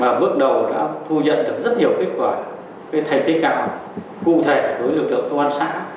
và bước đầu đã thu nhận được rất nhiều kết quả cái thành tích nào cụ thể đối với lực lượng công an sản